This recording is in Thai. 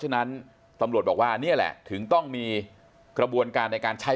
ฉะนั้นตำรวจบอกว่านี่แหละถึงต้องมีกระบวนการในการใช้